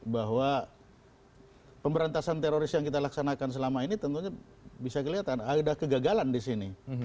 bahwa pemberantasan teroris yang kita laksanakan selama ini tentunya bisa kelihatan ada kegagalan di sini